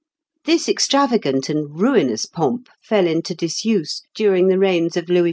This extravagant and ruinous pomp fell into disuse during the reigns of Louis XI.